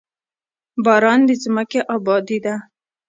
باران د ځمکې ابادي ده.